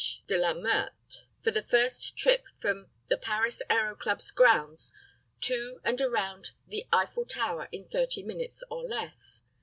Deutsch (de la Meurthe) for the first trip from the Paris Aero Club's grounds to and around the Eiffel Tower in 30 minutes or less.